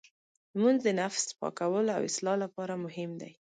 لمونځ د نفس پاکولو او اصلاح لپاره مهم دی.